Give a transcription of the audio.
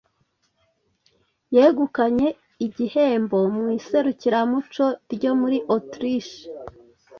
yegukanye igihembo mu iserukiramuco ryo muri Autriche